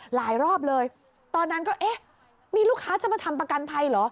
หลายรอบเลยตอนนั้นก็เอ๊ะมีลูกค้าจะมาทำประกันภัยเหรอ